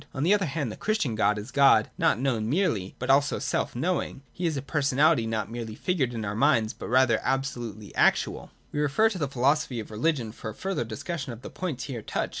On the other hand, the Christian God is God not known merely, but also self knowing ; He is a personality not merely figured in our minds, but rather absolutely actual. We must refer to the Philosophy of Religion for a further discussion of the points here touched.